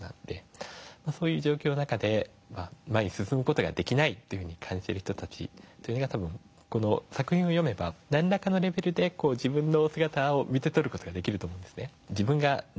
そういう状況の中で「前に進む事ができない」と感じる人たちがこの作品を読めば何らかのレベルで自分の姿を見てとる事ができると思うんです。